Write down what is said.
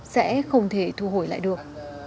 sẽ không thể thu hồi lại được